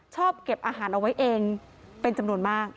ชอบเก็บอาหารเอาไว้เองเป็นจำนวนมาก